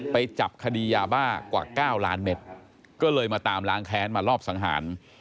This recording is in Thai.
ไปจับคดียาบ้ากว่า๙ล้านเม็ดก็เลยมาตามล้างแค้นมารอบสังหาร